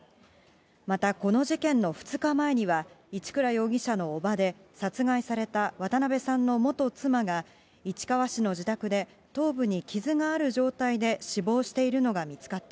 またこの事件の２日前には、一倉容疑者の伯母で殺害された渡辺さんの元妻が、市川市の自宅で頭部に傷がある状態で死亡しているのが見つかって